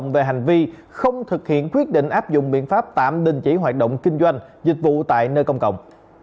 về hành vi không thực hiện quyết định áp dụng biện pháp tạm đình chỉ hoạt động kinh doanh dịch vụ tại nơi công cộng